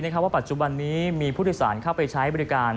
ว่าปัจจุบันนี้มีผู้โดยสารเข้าไปใช้บริการ